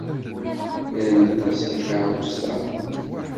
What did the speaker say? Ran aṭas takeṛṛust-a.